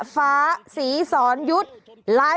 ภาพนี้เป็นหน้า